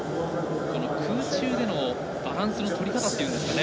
空中でのバランスの取り方というんですかね。